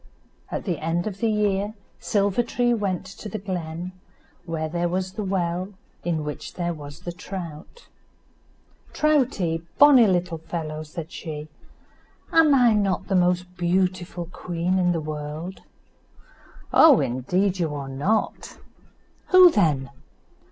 At the end of the year, Silver tree went to the glen, where there was the well, in which there was the trout. "Troutie, bonny little fellow," said she, "am not I the most beautiful queen in the world?" "Oh! indeed you are not." "Who then?"